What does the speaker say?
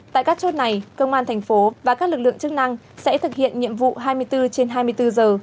tại các chốt này công an thành phố và các lực lượng chức năng sẽ thực hiện nhiệm vụ hai mươi bốn trên hai mươi bốn giờ